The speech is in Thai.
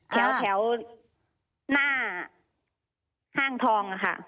แถวหน้าห้างทองค่ะ